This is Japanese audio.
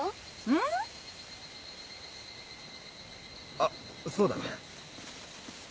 あっそうだ。